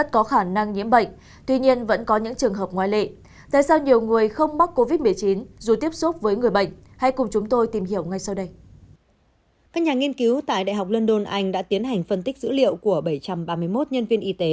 các nhà nghiên cứu tại đại học london anh đã tiến hành phân tích dữ liệu của bảy trăm ba mươi một nhân viên y tế